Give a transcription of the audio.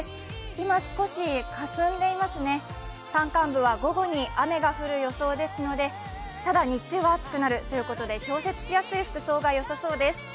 今少しかすんでいますね、山間部は午後に雨が降る予想ですのでただ日中は暑くなるということで調節しやすい服装がよさそうです。